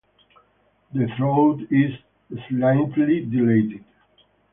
The throat is slightly dilated.